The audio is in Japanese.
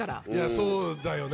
そうだよね。